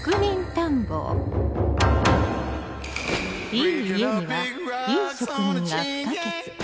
いい家にはいい職人が不可欠